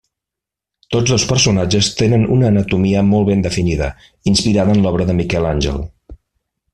Tots dos personatges tenen una anatomia molt ben definida, inspirada en l'obra de Miquel Àngel.